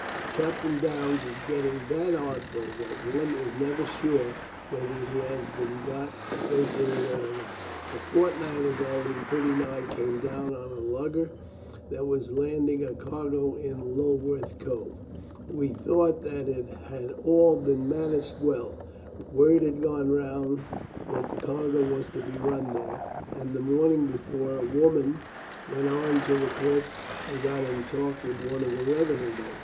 Captain Downes is getting that artful that one is never sure whether he has been got safely away or not. A fortnight ago he pretty nigh came down on a lugger that was landing a cargo in Lulworth Cove. We thought that it had all been managed well. Word had gone round that the cargo was to be run there, and the morning before, a woman went on to the cliffs and got in talk with one of the revenue men.